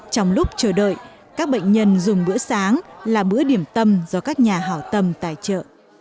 trong lúc chờ đợi các bệnh nhân dùng bữa sáng là bữa điểm tâm do các nhà hảo tâm tài trợ